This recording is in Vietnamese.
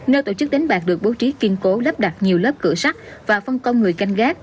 nơi tổ chức đánh bạc được bố trí kiên cố lắp đặt nhiều lớp cửa sắc và phân công người canh gác